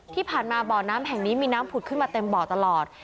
ที่ผ่านมาบ่อน้ำแห่งนี้มีน้ำผุดขึ้นมาเต็มบ่อตลอด